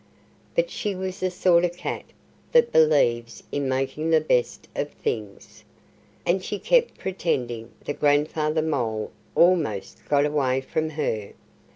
But she was the sort of cat that believes in making the best of things. And she kept pretending that Grandfather Mole almost got away from her.